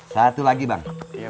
satu lagi bang